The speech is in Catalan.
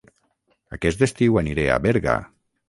Aquest estiu aniré a Berga